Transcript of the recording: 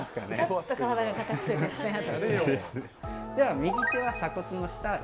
右手は鎖骨の下。